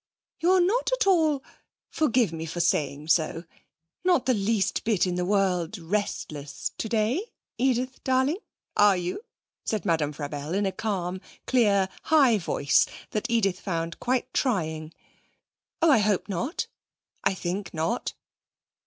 'You're not at all forgive me for saying so not the least bit in the world restless today, Edith darling, are you?' said Madame Frabelle in a calm, clear, high voice that Edith found quite trying. 'Oh, I hope not I think not.'